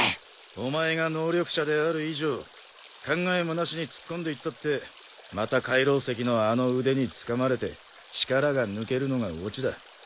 お前が能力者である以上考えもなしに突っ込んでいったってまた海楼石のあの腕につかまれて力が抜けるのが落ちだ。